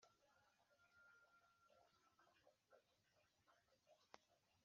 Mu mwaka wa Komisiyo y Igihugu yo Kurwanya Jenoside ifatanyije n izindi nzego